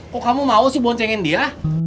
kok kamu mau sih boncengin dia